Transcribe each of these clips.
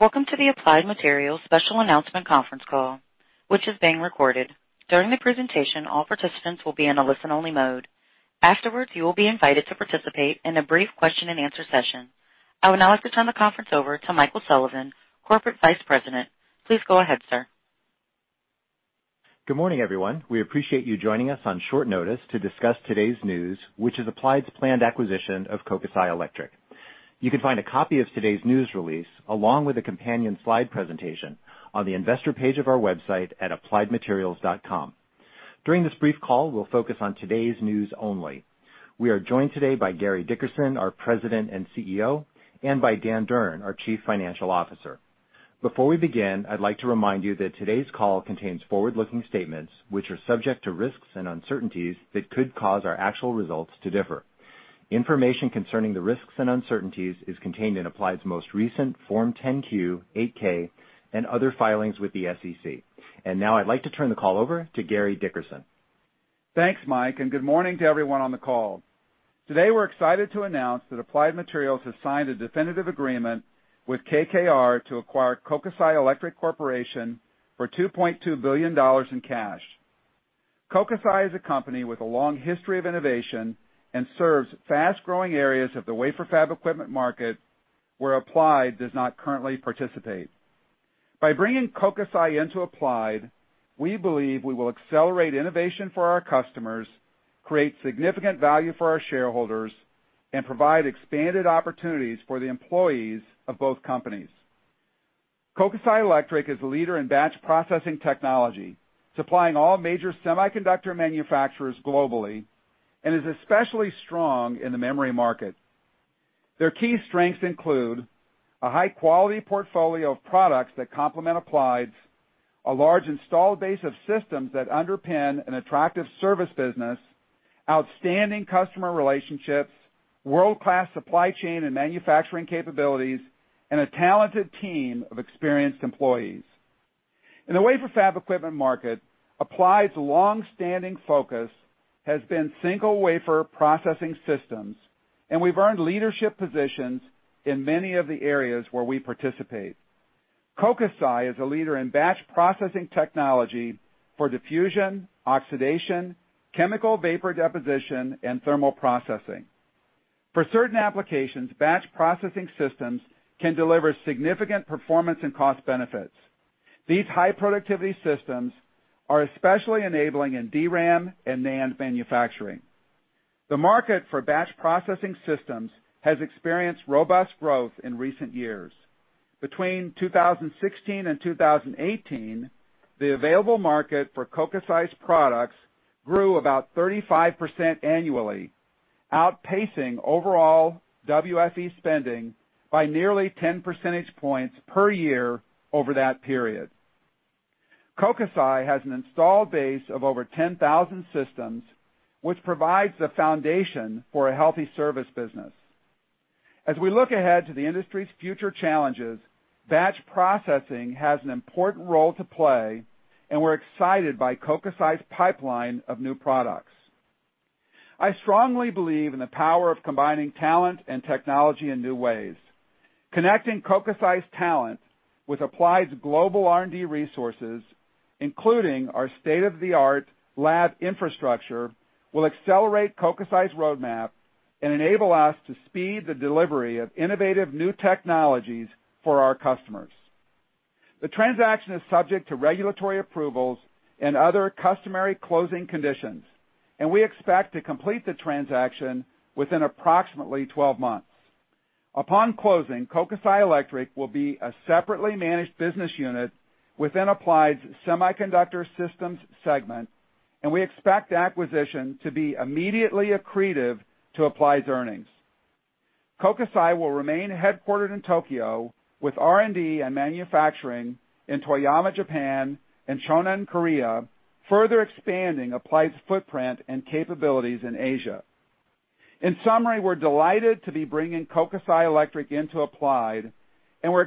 Welcome to the Applied Materials special announcement conference call, which is being recorded. During the presentation, all participants will be in a listen-only mode. Afterwards, you will be invited to participate in a brief question and answer session. I would now like to turn the conference over to Michael Sullivan, Corporate Vice President. Please go ahead, sir. Good morning, everyone. We appreciate you joining us on short notice to discuss today's news, which is Applied's planned acquisition of Kokusai Electric. You can find a copy of today's news release, along with a companion slide presentation on the investor page of our website at appliedmaterials.com. During this brief call, we'll focus on today's news only. We are joined today by Gary Dickerson, our President and CEO, and by Dan Durn, our Chief Financial Officer. Before we begin, I'd like to remind you that today's call contains forward-looking statements, which are subject to risks and uncertainties that could cause our actual results to differ. Information concerning the risks and uncertainties is contained in Applied's most recent Form 10-Q, Form 8-K, and other filings with the SEC. Now I'd like to turn the call over to Gary Dickerson. Thanks, Mike, good morning to everyone on the call. Today, we're excited to announce that Applied Materials has signed a definitive agreement with KKR to acquire Kokusai Electric Corporation for $2.2 billion in cash. Kokusai is a company with a long history of innovation and serves fast-growing areas of the wafer fab equipment market where Applied does not currently participate. By bringing Kokusai into Applied, we believe we will accelerate innovation for our customers, create significant value for our shareholders, and provide expanded opportunities for the employees of both companies. Kokusai Electric is a leader in batch processing technology, supplying all major semiconductor manufacturers globally, and is especially strong in the memory market. Their key strengths include a high-quality portfolio of products that complement Applied's, a large installed base of systems that underpin an attractive service business, outstanding customer relationships, world-class supply chain and manufacturing capabilities, and a talented team of experienced employees. In the wafer fab equipment market, Applied's longstanding focus has been single wafer processing systems, we've earned leadership positions in many of the areas where we participate. Kokusai is a leader in batch processing technology for diffusion, oxidation, Chemical Vapor Deposition, and thermal processing. For certain applications, batch processing systems can deliver significant performance and cost benefits. These high-productivity systems are especially enabling in DRAM and NAND manufacturing. The market for batch processing systems has experienced robust growth in recent years. Between 2016 and 2018, the available market for Kokusai's products grew about 35% annually, outpacing overall WFE spending by nearly 10 percentage points per year over that period. Kokusai has an installed base of over 10,000 systems, which provides the foundation for a healthy service business. As we look ahead to the industry's future challenges, batch processing has an important role to play, and we're excited by Kokusai's pipeline of new products. I strongly believe in the power of combining talent and technology in new ways. Connecting Kokusai's talent with Applied's global R&D resources, including our state-of-the-art lab infrastructure, will accelerate Kokusai's roadmap and enable us to speed the delivery of innovative new technologies for our customers. The transaction is subject to regulatory approvals and other customary closing conditions, and we expect to complete the transaction within approximately 12 months. Upon closing, Kokusai Electric will be a separately managed business unit within Applied's semiconductor systems segment, and we expect the acquisition to be immediately accretive to Applied's earnings. Thank you,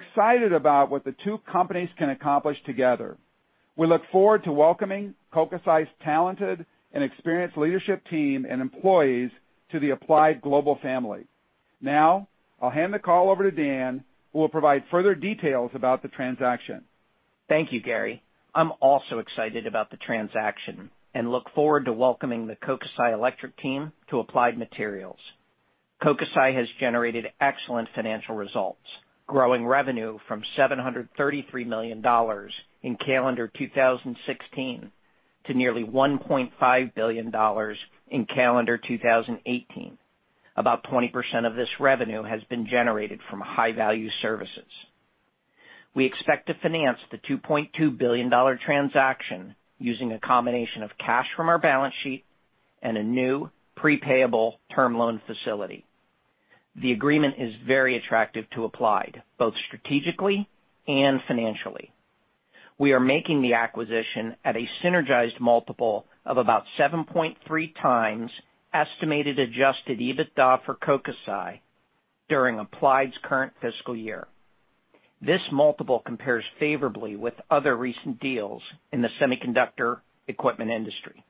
Gary. I'm also excited about the transaction and look forward to welcoming the Kokusai Electric team to Applied Materials. Kokusai has generated excellent financial results, growing revenue from $733 million in calendar 2016 to nearly $1.5 billion in calendar 2018. About 20% of this revenue has been generated from high-value services. We expect to finance the $2.2 billion transaction using a combination of cash from our balance sheet and a new pre-payable term loan facility. The agreement is very attractive to Applied, both strategically and financially. We are making the acquisition at a synergized multiple of about 7.3x estimated adjusted EBITDA for Kokusai during Applied's current fiscal year. This multiple compares favorably with other recent deals in the semiconductor equipment industry.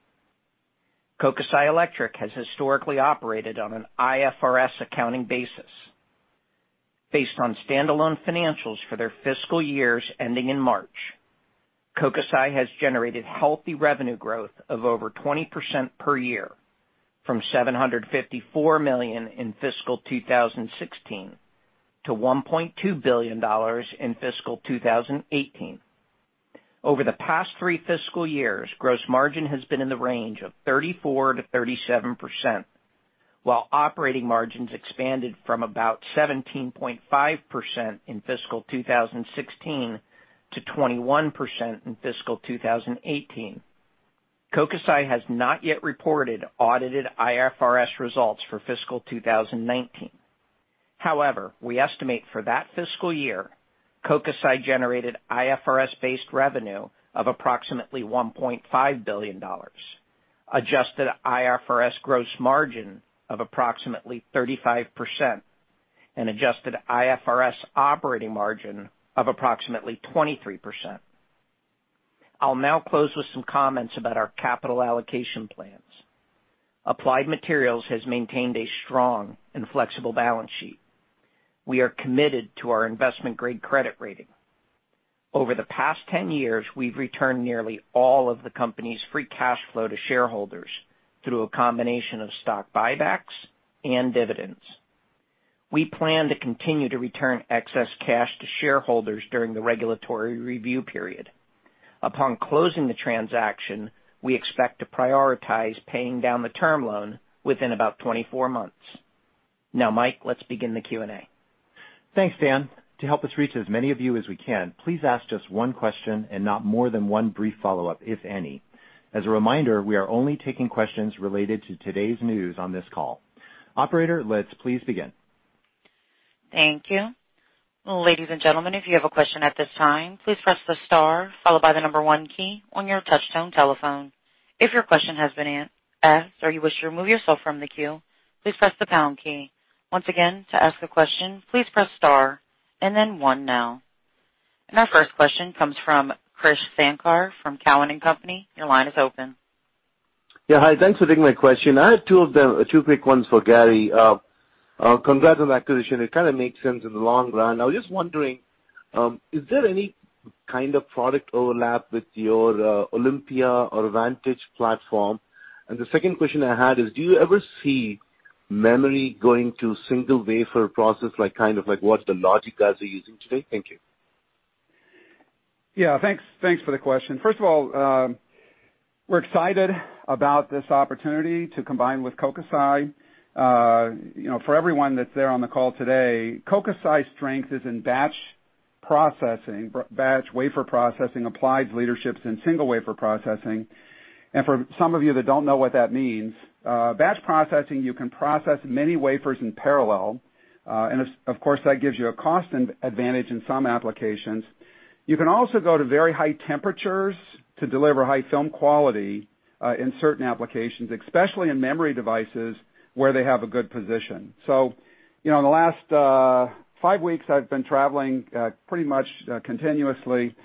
Over the past three fiscal years, gross margin has been in the range of 34%-37%, while operating margins expanded from about 17.5% in fiscal 2016 to 21% in fiscal 2018. Kokusai has not yet reported audited IFRS results for fiscal 2019. However, we estimate for that fiscal year, Kokusai generated IFRS-based revenue of approximately $1.5 billion, adjusted IFRS gross margin of approximately 35%, and adjusted IFRS operating margin of approximately 23%. I'll now close with some comments about our capital allocation plans. Applied Materials has maintained a strong and flexible balance sheet. We are committed to our investment-grade credit rating. Over the past 10 years, we've returned nearly all of the company's free cash flow to shareholders through a combination of stock buybacks and dividends. We plan to continue to return excess cash to shareholders during the regulatory review period. Upon closing the transaction, we expect to prioritize paying down the term loan within about 24 months. Now, Mike, let's begin the Q&A. Thanks, Dan. To help us reach as many of you as we can, please ask just one question and not more than one brief follow-up, if any. As a reminder, we are only taking questions related to today's news on this call. Operator, let's please begin. Thank you. Ladies and gentlemen, if you have a question at this time, please press the star followed by the number 1 key on your touchtone telephone. If your question has been asked or you wish to remove yourself from the queue, please press the pound key. Once again, to ask a question, please press star and then one now. Our first question comes from Krish Sankar from Cowen and Company. Your line is open. Yeah, hi. Thanks for taking my question. I have two quick ones for Gary. Congrats on the acquisition. It kind of makes sense in the long run. I was just wondering, is there any kind of product overlap with your Olympia or Vantage platform? The second question I had is, do you ever see memory going to single wafer process, kind of like what the logic guys are using today? Thank you. Yeah. Thanks for the question. First of all, we're excited about this opportunity to combine with Kokusai. For everyone that's there on the call today, Kokusai's strength is in batch wafer processing. Applied's leadership is in single wafer processing. For some of you that don't know what that means, batch processing, you can process many wafers in parallel, and of course, that gives you a cost advantage in some applications. You can also go to very high temperatures to deliver high film quality, in certain applications, especially in memory devices, where they have a good position. In the last five weeks, I've been traveling pretty much continuously, and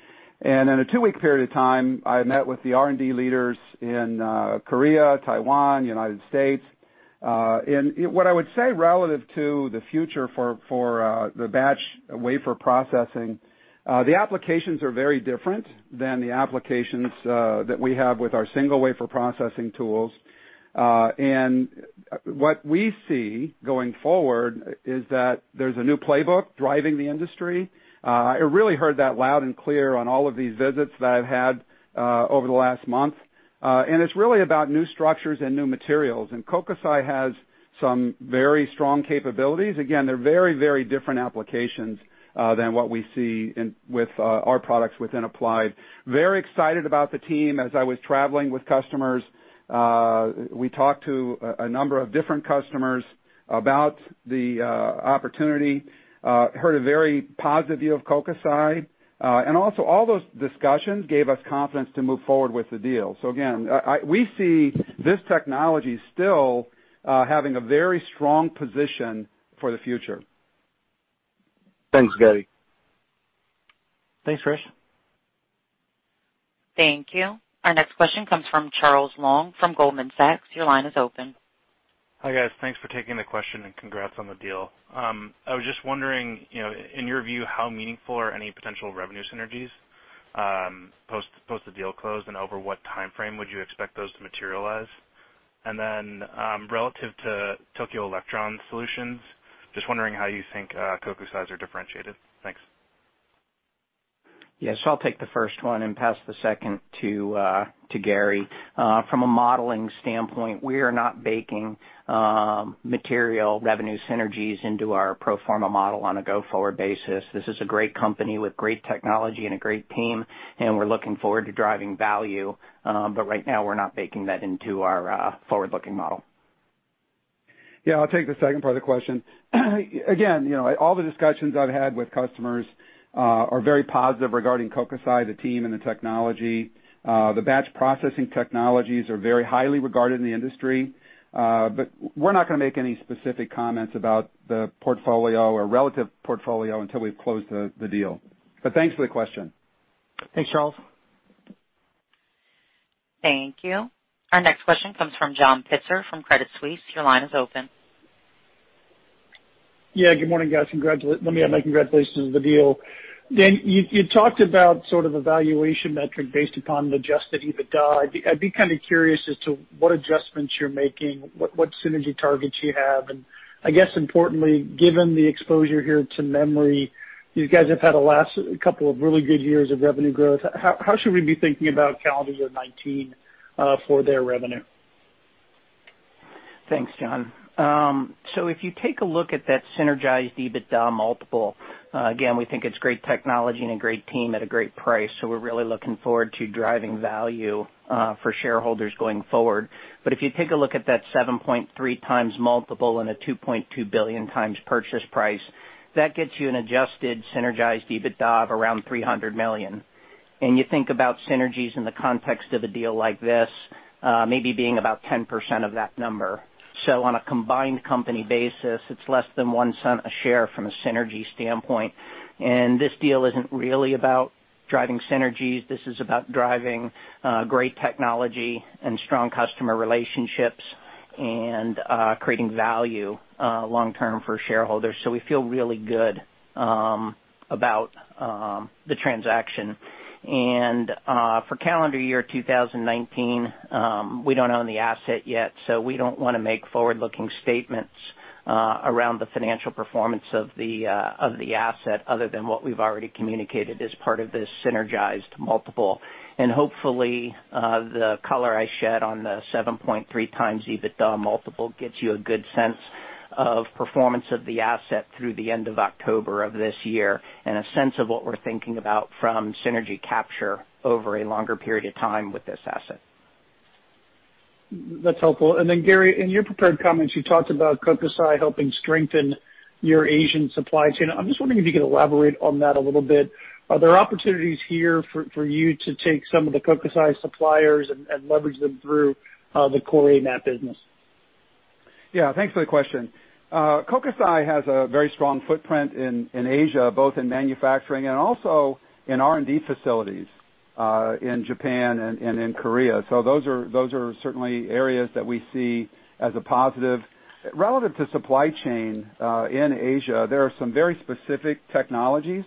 in a two-week period of time, I met with the R&D leaders in Korea, Taiwan, U.S. What I would say relative to the future for the batch wafer processing, the applications are very different than the applications that we have with our single wafer processing tools. What we see going forward is that there's a new playbook driving the industry. I really heard that loud and clear on all of these visits that I've had over the last month. It's really about new structures and new materials, and Kokusai has some very strong capabilities. Again, they're very different applications than what we see with our products within Applied. Very excited about the team. As I was traveling with customers, we talked to a number of different customers about the opportunity, heard a very positive view of Kokusai. Also, all those discussions gave us confidence to move forward with the deal. Again, we see this technology still having a very strong position for the future. Thanks, Gary. Thanks, Krish. Thank you. Our next question comes from CJ Muse from Goldman Sachs. Your line is open. Hi, guys. Thanks for taking the question and congrats on the deal. I was just wondering, in your view, how meaningful are any potential revenue synergies, post the deal closed, and over what timeframe would you expect those to materialize? Then, relative to Tokyo Electron Solutions, just wondering how you think Kokusai's are differentiated. Thanks. Yes, I'll take the first one and pass the second to Gary. From a modeling standpoint, we are not baking material revenue synergies into our pro forma model on a go-forward basis. This is a great company with great technology and a great team, and we're looking forward to driving value. Right now, we're not baking that into our forward-looking model. Yeah, I'll take the second part of the question. Again, all the discussions I've had with customers are very positive regarding Kokusai Electric, the team, and the technology. The batch processing technologies are very highly regarded in the industry. We're not going to make any specific comments about the portfolio or relative portfolio until we've closed the deal. Thanks for the question. Thanks, Charles. Thank you. Our next question comes from John Pitzer from Credit Suisse. Your line is open. Yeah. Good morning, guys. Let me add my congratulations to the deal. Dan Durn, you talked about sort of evaluation metric based upon adjusted EBITDA. I'd be kind of curious as to what adjustments you're making, what synergy targets you have. I guess importantly, given the exposure here to memory, you guys have had a couple of really good years of revenue growth. How should we be thinking about calendar year 2019 for their revenue? Thanks, John. If you take a look at that synergized EBITDA multiple, again, we think it's great technology and a great team at a great price. We're really looking forward to driving value for shareholders going forward. If you take a look at that 7.3x multiple and a $2.2 billion purchase price, that gets you an adjusted synergized EBITDA of around $300 million. You think about synergies in the context of a deal like this maybe being about 10% of that number. On a combined company basis, it's less than $0.01 a share from a synergy standpoint, and this deal isn't really about driving synergies. This is about driving great technology and strong customer relationships and creating value long-term for shareholders. We feel really good about the transaction. For calendar year 2019, we don't own the asset yet, so we don't want to make forward-looking statements around the financial performance of the asset other than what we've already communicated as part of this synergized multiple. Hopefully, the color I shed on the 7.3x EBITDA multiple gets you a good sense of performance of the asset through the end of October of this year, and a sense of what we're thinking about from synergy capture over a longer period of time with this asset. That's helpful. Gary, in your prepared comments, you talked about Kokusai helping strengthen your Asian supply chain. I'm just wondering if you could elaborate on that a little bit. Are there opportunities here for you to take some of the Kokusai suppliers and leverage them through the Core AMAT business? Yeah. Thanks for the question. Kokusai has a very strong footprint in Asia, both in manufacturing and also in R&D facilities in Japan and in Korea. Those are certainly areas that we see as a positive. Relative to supply chain in Asia, there are some very specific technologies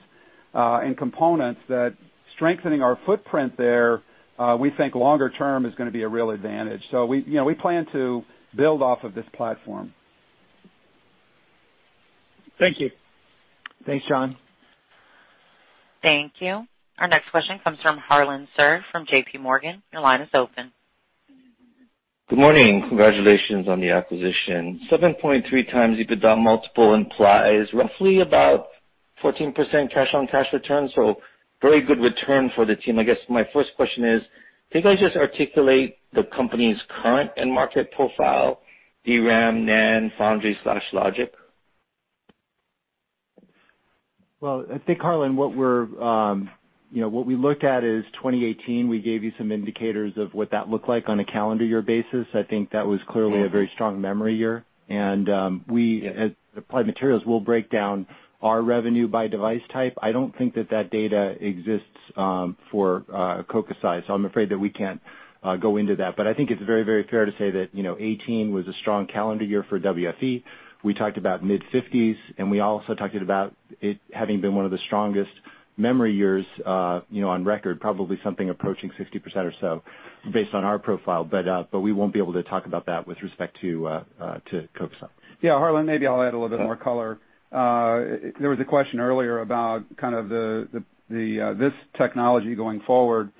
and components that strengthening our footprint there, we think longer term is going to be a real advantage. We plan to build off of this platform. Thank you. Thanks, John. Thank you. Our next question comes from Harlan Sur from JPMorgan. Your line is open. Good morning. Congratulations on the acquisition. 7.3 times EBITDA multiple implies roughly about 14% cash on cash returns. Very good return for the team. I guess my first question is, can you guys just articulate the company's current end market profile, DRAM, NAND, foundry/logic? I think, Harlan, what we look at is 2018. We gave you some indicators of what that looked like on a calendar year basis. I think that was clearly a very strong memory year. Yeah. We at Applied Materials will break down our revenue by device type. I don't think that that data exists for Kokusai, I'm afraid that we can't go into that. I think it's very, very fair to say that 2018 was a strong calendar year for WFE. We talked about mid-50s, we also talked about it having been one of the strongest memory years on record, probably something approaching 60% or so based on our profile. We won't be able to talk about that with respect to Kokusai. Yeah, Harlan, maybe I'll add a little bit more color. There was a question earlier about kind of this technology going forward,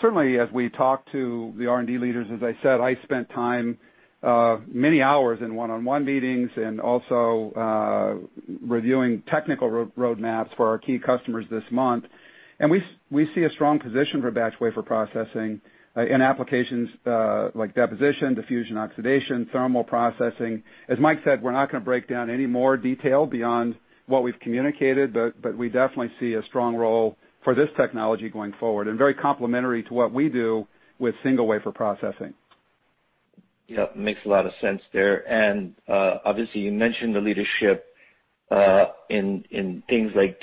certainly as we talk to the R&D leaders, as I said, I spent time, many hours in one-on-one meetings and also reviewing technical roadmaps for our key customers this month. We see a strong position for batch wafer processing in applications like deposition, diffusion, oxidation, thermal processing. As Mike said, we're not going to break down any more detail beyond what we've communicated, we definitely see a strong role for this technology going forward and very complementary to what we do with single wafer processing. Yeah. Makes a lot of sense there. Obviously you mentioned the leadership, in things like CVD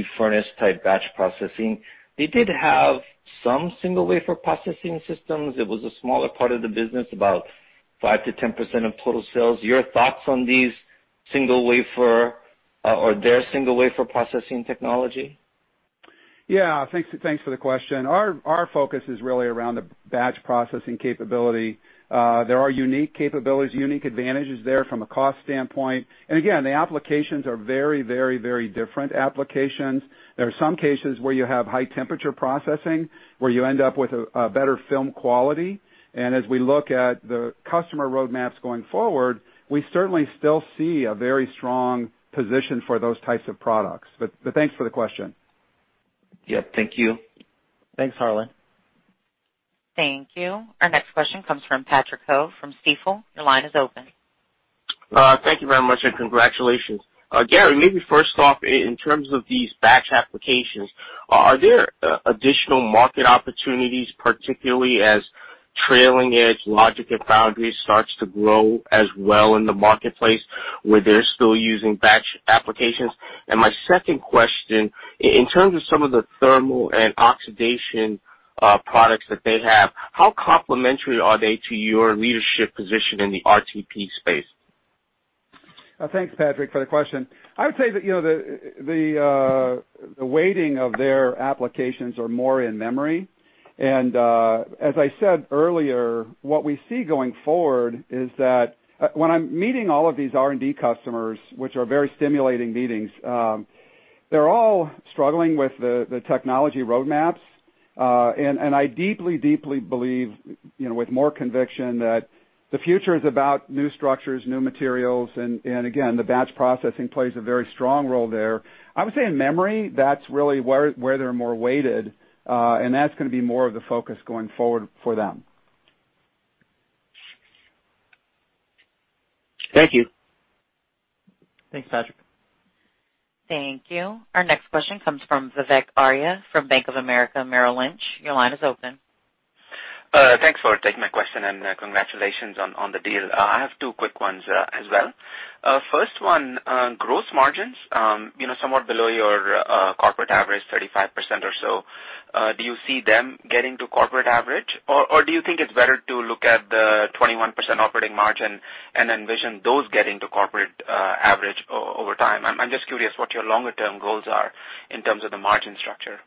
tube furnace type batch processing. They did have some single wafer processing systems. It was a smaller part of the business, about 5%-10% of total sales. Your thoughts on these single wafer or their single wafer processing technology? Yeah. Thanks for the question. Our focus is really around the batch processing capability. There are unique capabilities, unique advantages there from a cost standpoint. Again, the applications are very, very, very different applications. There are some cases where you have high temperature processing where you end up with a better film quality. As we look at the customer roadmaps going forward, we certainly still see a very strong position for those types of products. Thanks for the question. Yeah. Thank you. Thanks, Harlan. Thank you. Our next question comes from Patrick Ho from Stifel. Your line is open. Thank you very much, and congratulations. Gary, maybe first off, in terms of these batch applications, are there additional market opportunities, particularly as trailing edge logic and foundry starts to grow as well in the marketplace where they're still using batch applications? And my second question, in terms of some of the thermal and oxidation products that they have, how complementary are they to your leadership position in the RTP space? Thanks, Patrick, for the question. I would say that the weighting of their applications are more in memory. As I said earlier, what we see going forward is that when I'm meeting all of these R&D customers, which are very stimulating meetings, they're all struggling with the technology roadmaps. I deeply believe, with more conviction, that the future is about new structures, new materials, and again, the batch processing plays a very strong role there. I would say in memory, that's really where they're more weighted, and that's going to be more of the focus going forward for them. Thank you. Thanks, Patrick. Thank you. Our next question comes from Vivek Arya from Bank of America Merrill Lynch. Your line is open. Thanks for taking my question, congratulations on the deal. I have two quick ones as well. First one, gross margins, somewhat below your corporate average, 35% or so. Do you see them getting to corporate average, or do you think it's better to look at the 21% operating margin and envision those getting to corporate average over time? I'm just curious what your longer-term goals are in terms of the margin structure.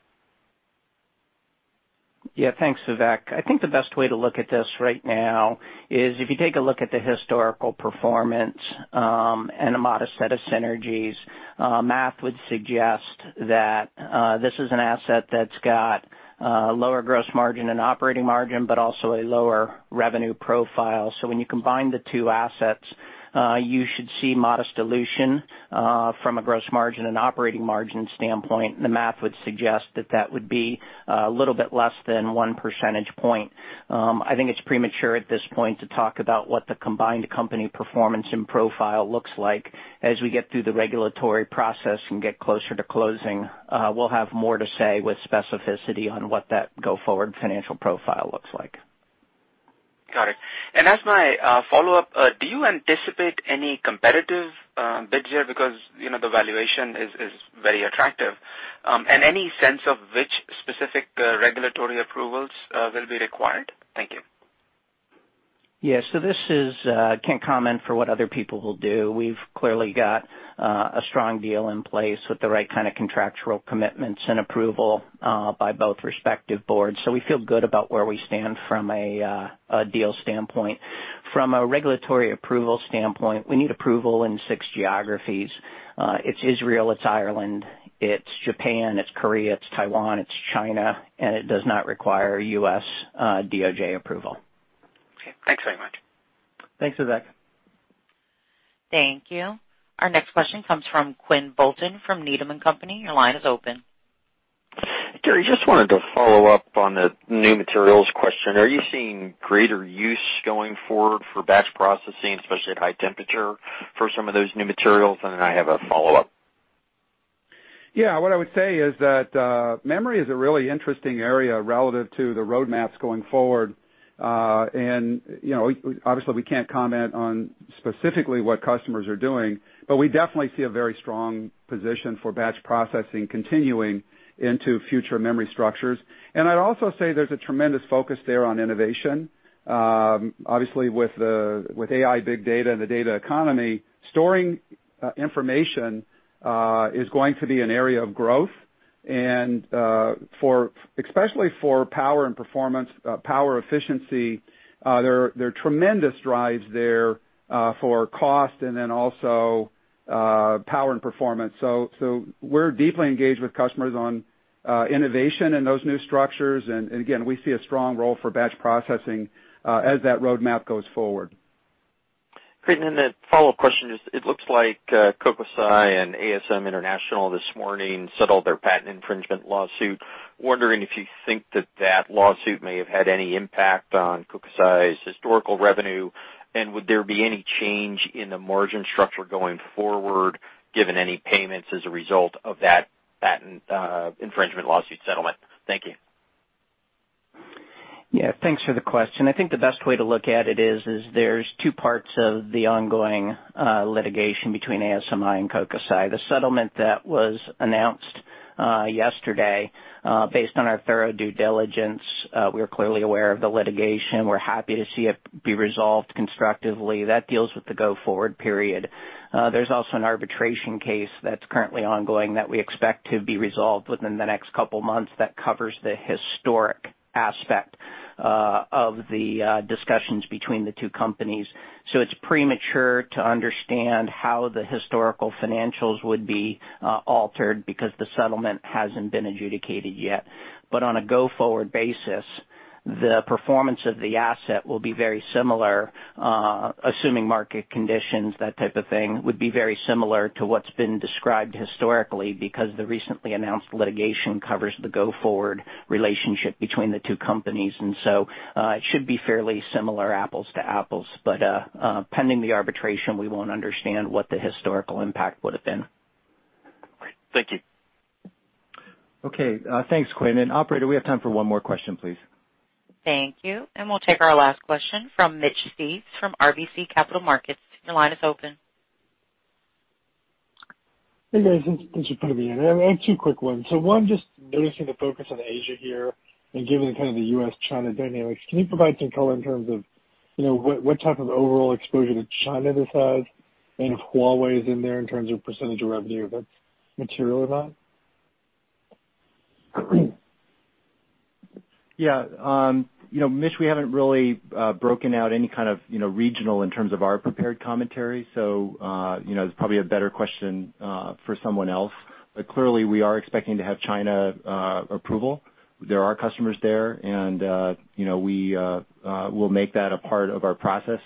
Thanks, Vivek. I think the best way to look at this right now is if you take a look at the historical performance and a modest set of synergies, math would suggest that this is an asset that's got a lower gross margin and operating margin, but also a lower revenue profile. When you combine the two assets, you should see modest dilution from a gross margin and operating margin standpoint. The math would suggest that that would be a little bit less than one percentage point. I think it's premature at this point to talk about what the combined company performance and profile looks like. As we get through the regulatory process and get closer to closing, we'll have more to say with specificity on what that go-forward financial profile looks like. Got it. As my follow-up, do you anticipate any competitive bids here because the valuation is very attractive? Any sense of which specific regulatory approvals will be required? Thank you. Yeah. Can't comment for what other people will do. We've clearly got a strong deal in place with the right kind of contractual commitments and approval by both respective boards. We feel good about where we stand from a deal standpoint. From a regulatory approval standpoint, we need approval in six geographies. It's Israel, it's Ireland, it's Japan, it's Korea, it's Taiwan, it's China, and it does not require U.S. DOJ approval. Okay, thanks very much. Thanks, Vivek. Thank you. Our next question comes from Quinn Bolton from Needham & Company. Your line is open. Gary, just wanted to follow up on the new materials question. Are you seeing greater use going forward for batch processing, especially at high temperature, for some of those new materials? I have a follow-up. Yeah. What I would say is that memory is a really interesting area relative to the roadmaps going forward. Obviously we can't comment on specifically what customers are doing, but we definitely see a very strong position for batch processing continuing into future memory structures. I'd also say there's a tremendous focus there on innovation. Obviously with AI, big data, and the data economy, storing information is going to be an area of growth. Especially for power and performance, power efficiency, there are tremendous drives there for cost and then also power and performance. We're deeply engaged with customers on innovation in those new structures. Again, we see a strong role for batch processing as that roadmap goes forward. Great. The follow-up question is, it looks like Kokusai and ASM International this morning settled their patent infringement lawsuit. Wondering if you think that that lawsuit may have had any impact on Kokusai's historical revenue, and would there be any change in the margin structure going forward given any payments as a result of that patent infringement lawsuit settlement? Thank you. Yeah. Thanks for the question. I think the best way to look at it is there's two parts of the ongoing litigation between ASMI and Kokusai. The settlement that was announced yesterday, based on our thorough due diligence, we are clearly aware of the litigation. We're happy to see it be resolved constructively. That deals with the go-forward period. There's also an arbitration case that's currently ongoing that we expect to be resolved within the next couple of months that covers the historic aspect of the discussions between the two companies. It's premature to understand how the historical financials would be altered because the settlement hasn't been adjudicated yet. On a go-forward basis, the performance of the asset will be very similar, assuming market conditions, that type of thing, would be very similar to what's been described historically because the recently announced litigation covers the go-forward relationship between the two companies, so it should be fairly similar apples to apples. Pending the arbitration, we won't understand what the historical impact would have been. Great. Thank you. Okay. Thanks, Quinn. Operator, we have time for one more question, please. Thank you. We'll take our last question from Mitch Steves from RBC Capital Markets. Your line is open. Hey, guys. Thanks for putting me in. I have two quick ones. One, just noticing the focus on Asia here and given the kind of the U.S., China dynamics, can you provide some color in terms of what type of overall exposure to China this has, and if Huawei is in there in terms of percentage of revenue that's material or not? Yeah. Mitch, we haven't really broken out any kind of regional in terms of our prepared commentary. It's probably a better question for someone else. Clearly we are expecting to have China approval. There are customers there and we'll make that a part of our process.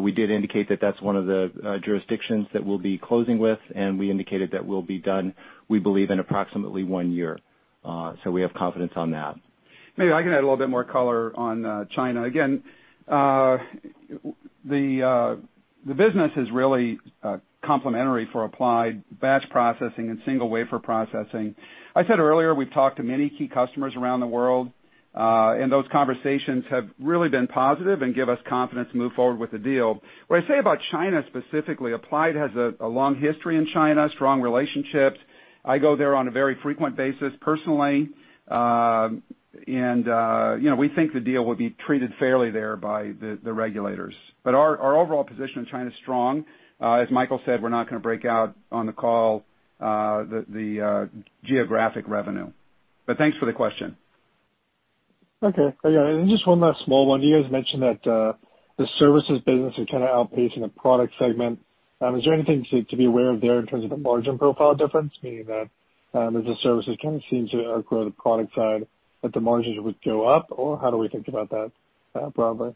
We did indicate that that's one of the jurisdictions that we'll be closing with, and we indicated that we'll be done, we believe, in approximately one year. We have confidence on that. Maybe I can add a little bit more color on China. Again, the business is really complementary for Applied Materials batch processing and single wafer processing. I said earlier, we've talked to many key customers around the world. Those conversations have really been positive and give us confidence to move forward with the deal. What I'd say about China specifically, Applied Materials has a long history in China, strong relationships. I go there on a very frequent basis personally. We think the deal will be treated fairly there by the regulators. Our overall position in China is strong. As Michael said, we're not going to break out on the call the geographic revenue. But thanks for the question. Okay. Then just one last small one. You guys mentioned that the services business is kind of outpacing the product segment. Is there anything to be aware of there in terms of a margin profile difference, meaning that as the services kind of seem to outgrow the product side, that the margins would go up, or how do we think about that broadly?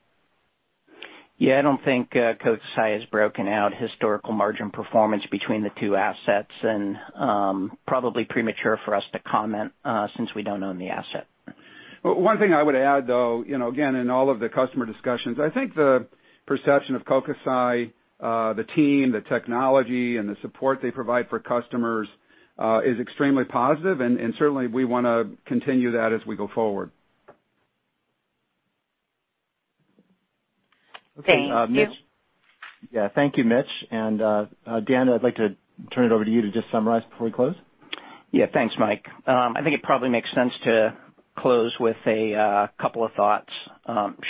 Yeah, I don't think Kokusai has broken out historical margin performance between the two assets. Probably premature for us to comment, since we don't own the asset. One thing I would add, though, again, in all of the customer discussions, I think the perception of Kokusai, the team, the technology, and the support they provide for customers, is extremely positive and certainly we want to continue that as we go forward. Thank you. Yeah. Thank you, Mitch. Dan, I'd like to turn it over to you to just summarize before we close. Yeah. Thanks, Mike. I think it probably makes sense to close with a couple of thoughts.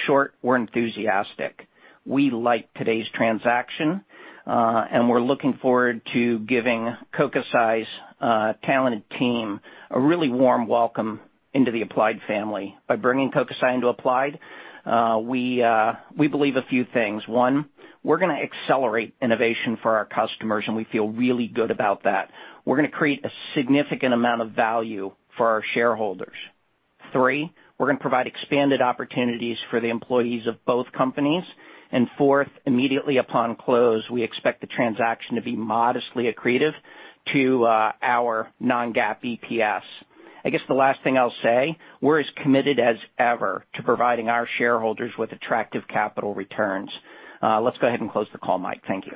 Short, we're enthusiastic. We like today's transaction. We're looking forward to giving Kokusai's talented team a really warm welcome into the Applied family. By bringing Kokusai into Applied, we believe a few things. One, we're going to accelerate innovation for our customers, and we feel really good about that. We're going to create a significant amount of value for our shareholders. Three, we're going to provide expanded opportunities for the employees of both companies. Fourth, immediately upon close, we expect the transaction to be modestly accretive to our non-GAAP EPS. I guess the last thing I'll say, we're as committed as ever to providing our shareholders with attractive capital returns. Let's go ahead and close the call, Mike. Thank you.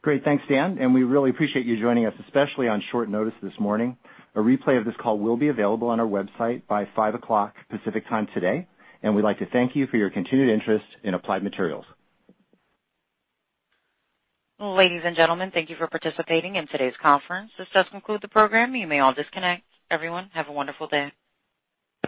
Great. Thanks, Dan, and we really appreciate you joining us, especially on short notice this morning. A replay of this call will be available on our website by 5:00 P.M. Pacific Time today, and we'd like to thank you for your continued interest in Applied Materials. Ladies and gentlemen, thank you for participating in today's conference. This does conclude the program. You may all disconnect. Everyone, have a wonderful day.